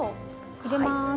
入れます。